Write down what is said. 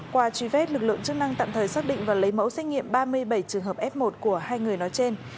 qua truy vết lực lượng chức năng tạm thời xác định và lấy mẫu xét nghiệm ba mươi bảy trường hợp f một của hai người nói trên